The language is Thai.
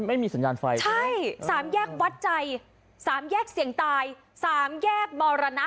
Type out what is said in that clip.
ไม่มีสัญญาณไฟใช่สามแยกวัดใจสามแยกเสี่ยงตายสามแยกมรณะ